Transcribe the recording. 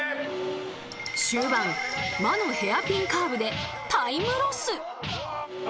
終盤、魔のヘアピンカーブでタイムロス。